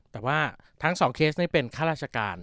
แต่ว่าทั้งสองเคสนี้เป็นข้าราชการ